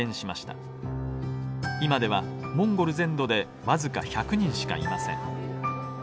今ではモンゴル全土で僅か１００人しかいません。